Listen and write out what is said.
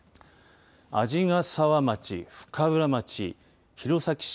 鰺ヶ沢町深浦町弘前市